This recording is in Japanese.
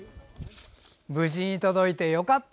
無事に届いてよかった！